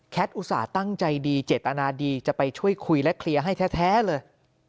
อุตส่าห์ตั้งใจดีเจตนาดีจะไปช่วยคุยและเคลียร์ให้แท้เลย